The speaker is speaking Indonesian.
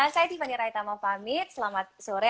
saya tiffany raitama pamit selamat sore